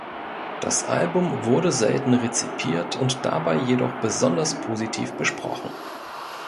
Das Album wurde selten rezipiert und dabei jedoch besonders positiv besprochen.